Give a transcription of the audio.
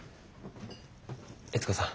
悦子さん。